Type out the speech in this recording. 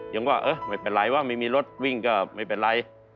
ยังว่าเออไม่เป็นไรว่าไม่มีรถวิ่งก็ไม่เป็นไร